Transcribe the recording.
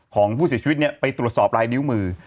ของผู้เสียชีวิตไปตรวจสอบลายนิ้วมือ